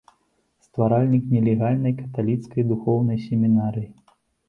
Стваральнік нелегальнай каталіцкай духоўнай семінарыі.